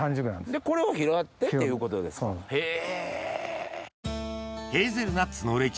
これを拾ってっていうことですかへぇ。